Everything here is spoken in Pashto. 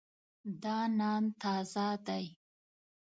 دا نان تازه دی.